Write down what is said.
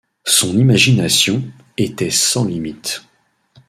Son imagination était sans limite.